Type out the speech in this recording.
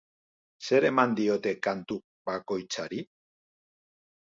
Zer eman diote kantu bakoitzari?